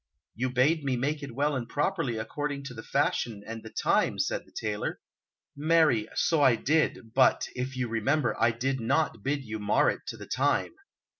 "You bade me make it well and properly, according to the fashion and the time," said the tailor. "Marry, so I did, but, if you remember, I did not bid you mar it to the time.